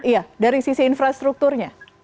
iya dari sisi infrastrukturnya